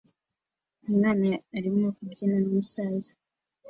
Umwana arimo kubyina numusaza